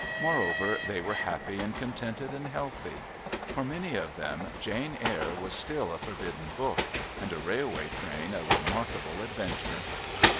Moreover, they were happy and contented and healthy. For many of them Jane Eyre was still a forbidden book and a railway train a remarkable adventure.